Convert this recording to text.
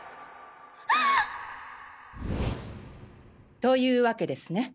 という訳ですね？